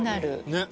ねっ。